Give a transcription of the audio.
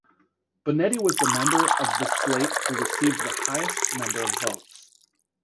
Bonetti was the member of the slate who received the highest number of votes.